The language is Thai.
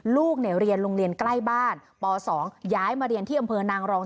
ลูกเรียนโรงเรียนใกล้บ้านป๒ย้ายมาเรียนที่อำเภอนางรอง